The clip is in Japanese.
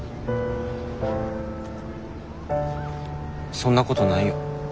そんなことないよ。